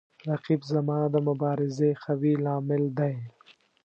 رقیب زما د مبارزې قوي لامل دی